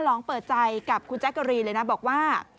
ลองเปิดใจกับคุณแจ๊กกะรีนเลยนะบอกว่า